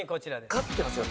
勝ってますよ